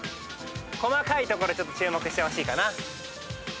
細かいところ注目してほしいかな。